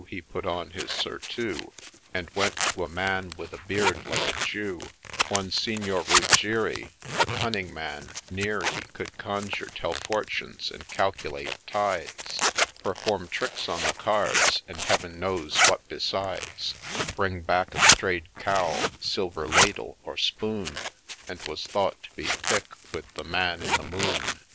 He put on his surtoiU, And went to a man with a beard like a Jew, % One Signor Ruggieri, A Cunning man near, he Could conjure, tell fortunes, and calculate tides, Perform tricks on the cards, and Heaven knows what besides, Bring back a stray'd cow, silver ladle, or spoon, And was thought to be thick with the Man in the Moon.